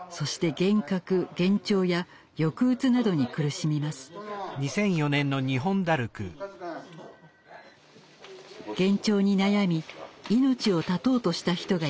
幻聴に悩み命を絶とうとした人がいました。